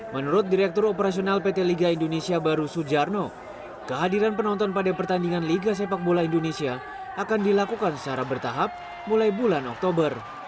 menurut direktur operasional pt liga indonesia baru sujarno kehadiran penonton pada pertandingan liga sepak bola indonesia akan dilakukan secara bertahap mulai bulan oktober